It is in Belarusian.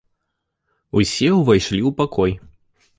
Усе ўвайшлі ў пакой.